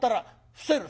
伏せる。